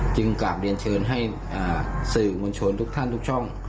กลับเรียนเชิญให้สื่อมวลชนทุกท่านทุกช่อง